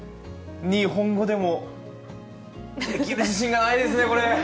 日本語でもできる自信がないですね、これ。